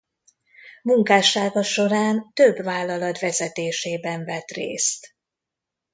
Munkássága során több vállalat vezetésében vett részt.